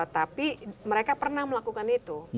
tapi mereka pernah melakukan itu